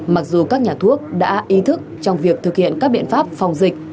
mặc dù các nhà thuốc đã ý thức trong việc thực hiện các biện pháp phòng dịch